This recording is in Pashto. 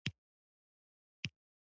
ابادیو او د لارو ساتلو ته توجه وکړه.